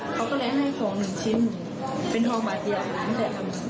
เขาก็แนะให้ของหนึ่งชิ้นเป็นทองบาทเดียวหลังจากทำ